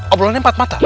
obrolannya empat mata